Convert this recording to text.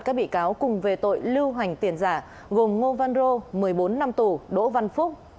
các bị cáo cùng về tội lưu hành tiền giả gồm ngô văn rô một mươi bốn năm tù đỗ văn phúc